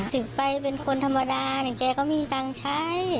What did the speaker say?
ถึงไปเป็นคนธรรมดาเนี่ยแกก็มีตังค์ใช้